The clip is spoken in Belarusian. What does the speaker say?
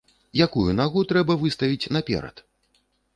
Якую нагу трэба выставіць наперад?